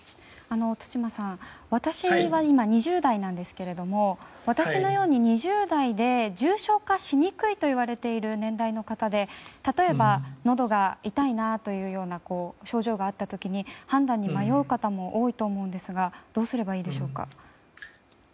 津島さん、私が今２０代なんですが私のように２０代で重症化しにくいといわれている年代の方で例えばのどが痛いなという症状があった時に判断に迷う方も多いと思いますがどうすればいいでしょうか。